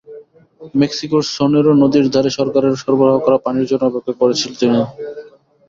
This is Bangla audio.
মেক্সিকোর সনোরা নদীর ধারে সরকারের সরবরাহ করা পানির জন্য অপেক্ষা করছিলেন তিনি।